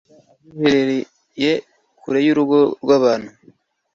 ukabibika ahiherereye kure y’uruvugo rw’abantu